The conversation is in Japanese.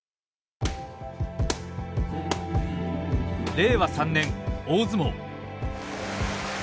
令和３年大相撲。